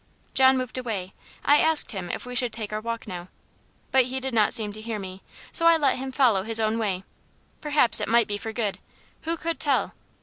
John moved away. I asked him if we should take our walk now? But he did not seem to hear me; so I let him follow his own way perhaps it might be for good who could tell?